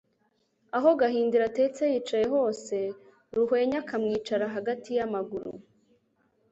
Aho Gahindiro atetse yicaye hose Ruhwenya akamwicara hagati y'amaguru.